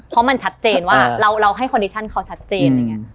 เพราะมันชัดเจนว่าเราให้คอนดิชั่นเขาชัดเจน